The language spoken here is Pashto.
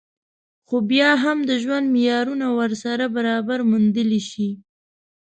خو بيا هم د ژوند معيارونه ورسره برابري موندلی شي